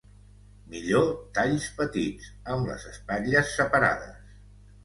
Millor talls petits, amb les espatlles separades.